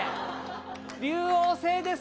竜王星です。